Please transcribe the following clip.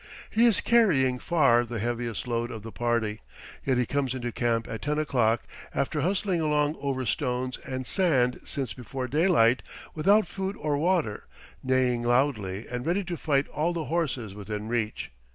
He is carrying far the heaviest load of the party, yet he comes into camp at ten o'clock, after hustling along over stones and sand since before daylight, without food or water; neighing loudly and ready to fight all the horses within reach.